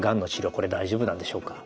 これ大丈夫なんでしょうか？